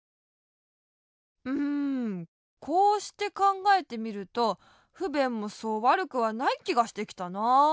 うんこうしてかんがえてみるとふべんもそうわるくはないきがしてきたなあ。